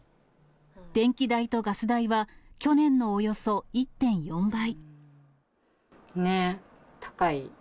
電気代とガス代は去年のおよそ１．４倍。